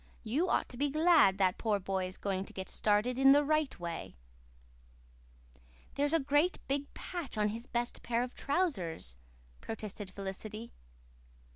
"You ought to be glad that poor boy is going to get started in the right way." "There's a great big patch on his best pair of trousers," protested Felicity.